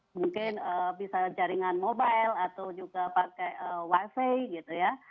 mungkin bisa jaringan mobile atau juga pakai wifi gitu ya